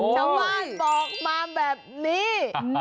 ชาวบ้านบอกมาแบบนี้